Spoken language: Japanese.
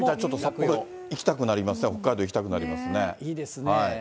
札幌、行きたくなりますね、いいですね。